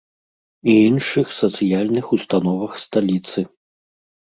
І іншых сацыяльных установах сталіцы.